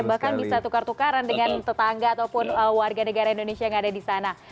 bahkan bisa tukar tukaran dengan tetangga ataupun warga negara indonesia yang ada di sana